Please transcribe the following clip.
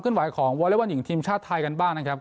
ขึ้นไหวของวอเลวนหญิงทีมชาติไทยกันบ้างนะครับก็